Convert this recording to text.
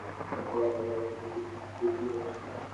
ওকে, দেখা যাক কার বিরুদ্ধে যুদ্ধ করছি।